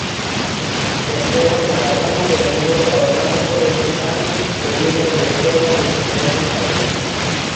Esquerdas Maradona reuníndose ao longo destes anos cos líderes de esquerda de diferentes países.